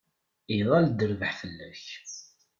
Iḍall-d rrbeḥ fell-ak.